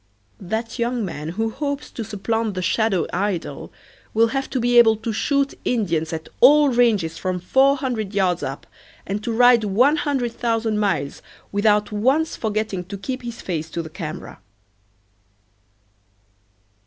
That young man who hopes to supplant the shadow idol will have to be able to shoot Indians at all ranges from four hundred yards up, and to ride one hundred thousand miles without once forgetting to keep his face to the camera.